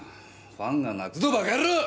ファンが泣くぞバカ野郎！！